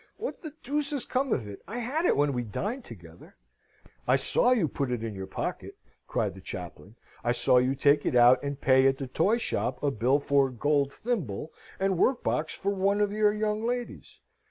What the deuce has come of it? I had it when we dined together." "I saw you put it in your pocket," cried the chaplain. "I saw you take it out and pay at the toy shop a bill for a gold thimble and workbox for one of your young ladies.